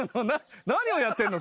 何をやってるの？